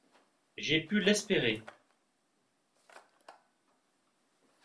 J’ai pu l’espérer.